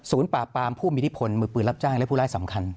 ศูนย์ปราบปรามผู้มีที่ผลมือเปลือนรับจ้างและผู้ร้ายสำคัญ